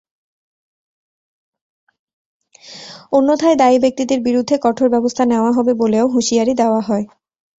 অন্যথায় দায়ী ব্যক্তিদের বিরুদ্ধে কঠোর ব্যবস্থা নেওয়া হবে বলেও হুঁশিয়ারি দেওয়া হয়।